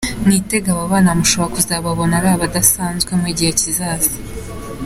Mwitege aba bana mushobora kuzababona ari abadasanzwe mu gihe kizaza.